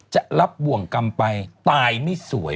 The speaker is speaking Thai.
จะรับบ่วงกรรมไปตายไม่สวย